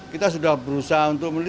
kita sudah berusaha untuk